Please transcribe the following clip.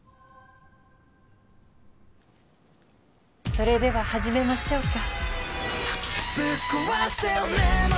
それでは始めましょうか。